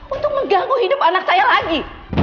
untuk mengganggu hidup anak saya lagi